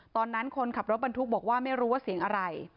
ตอนนั้นคนขับรถปันทุกข์บอกว่าไม่รู้ว่าเสียงอะไร